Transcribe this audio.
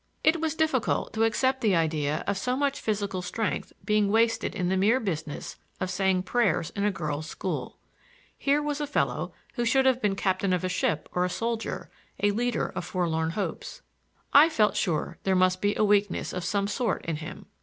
It was difficult to accept the idea of so much physical strength being wasted in the mere business of saying prayers in a girls' school. Here was a fellow who should have been captain of a ship or a soldier, a leader of forlorn hopes. I felt sure there must be a weakness of some sort in him.